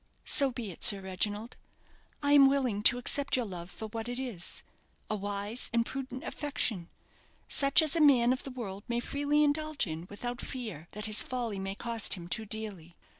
"So be it, Sir Reginald. I am willing to accept your love for what it is a wise and prudent affection such as a man of the world may freely indulge in without fear that his folly may cost him too dearly.